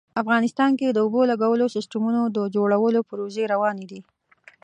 افغانستان کې د اوبو لګولو سیسټمونو د جوړولو پروژې روانې دي